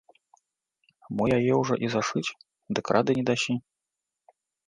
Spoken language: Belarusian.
Мо яе ўжо і зашыць, дык рады не дасі?